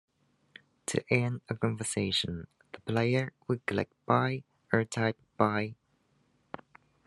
To end a conversation, the Player would click 'Bye' or type 'Bye'.